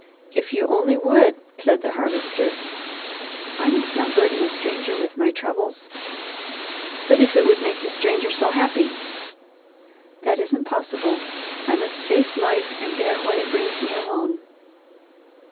"If you only would," plead the Harvester. "I must not burden a stranger with my troubles." "But if it would make the stranger so happy!" "That isn't possible. I must face life and bear what it brings me alone."